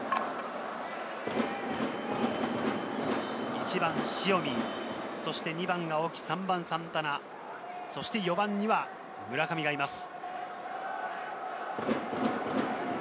１番・塩見、そして２番が青木、３番・サンタナ、そして４番には村上がいます。